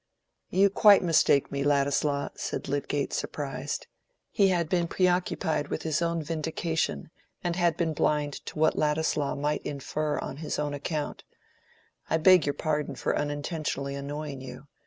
"You quite mistake me, Ladislaw," said Lydgate, surprised. He had been preoccupied with his own vindication, and had been blind to what Ladislaw might infer on his own account. "I beg your pardon for unintentionally annoying you.